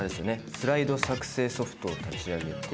スライド作成ソフトを立ち上げて。